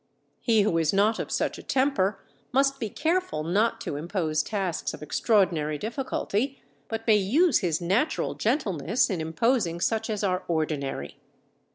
He who is not of such a temper must be careful not to impose tasks of extraordinary difficulty, but may use his natural gentleness in imposing such as are ordinary.